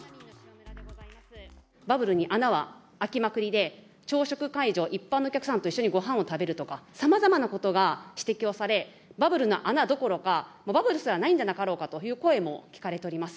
バブルに穴は開きまくりで、朝食会場、一般のお客さんと一緒にごはんを食べるとか、さまざまなことが指摘をされ、バブルの穴どころか、バブルすらないんじゃなかろうかという声も聞かれております。